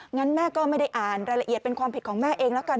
งั้นแม่ก็ไม่ได้อ่านรายละเอียดเป็นความผิดของแม่เองแล้วกัน